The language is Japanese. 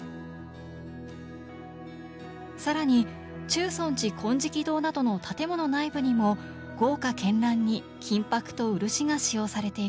更に中尊寺金色堂などの建物内部にも豪華絢爛に金箔と漆が使用されていきます。